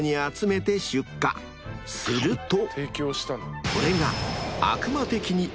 ［するとこれが］